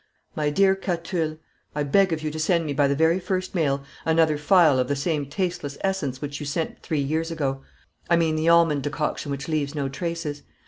"My dear Catulle I beg of you to send me by the very first mail another phial of the same tasteless essence which you sent three years ago. I mean the almond decoction which leaves no traces.